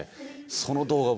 その動画